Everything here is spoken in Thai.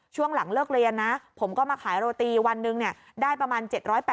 ช่วงหลังเลิกเรียนนะผมก็มาขายโรตีวันหนึ่งได้ประมาณ๗๘๐